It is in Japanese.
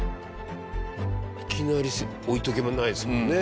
いきなり置いとけないですもんね